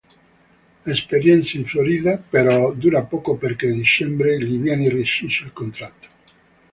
L'esperienza in Florida, però, dura poco perché a dicembre gli viene rescisso il contratto.